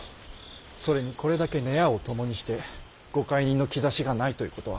それにこれだけ閨を共にしてご懐妊の兆しがないということは。